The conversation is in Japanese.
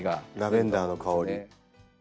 ラベンダーの香り。